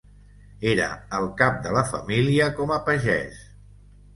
Era el cap de la família com a pagès.